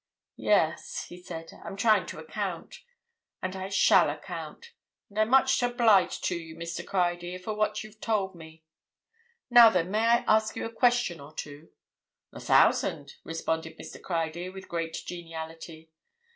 "Yes," he said. "I'm trying to account. And I shall account. And I'm much obliged to you, Mr. Criedir, for what you've told me. Now, then, may I ask you a question or two?" "A thousand!" responded Mr. Criedir with great geniality.